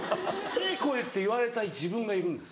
「いい声」って言われたい自分がいるんです。